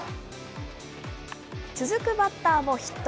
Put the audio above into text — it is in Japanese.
続くバッターもヒット。